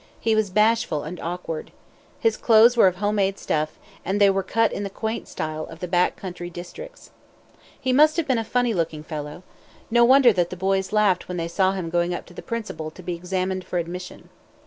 He was bashful and awkward. His clothes were of home made stuff, and they were cut in the quaint style of the back country districts. He must have been a funny looking fellow. No wonder that the boys laughed when they saw him going up to the principal to be examined for admission.